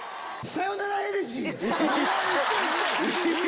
『さよならエレジー』！